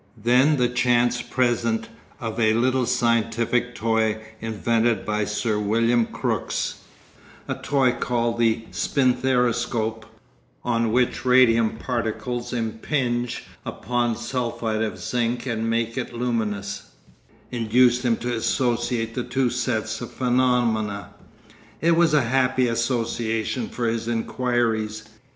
Then the chance present of a little scientific toy invented by Sir William Crookes, a toy called the spinthariscope, on which radium particles impinge upon sulphide of zinc and make it luminous, induced him to associate the two sets of phenomena. It was a happy association for his inquiries.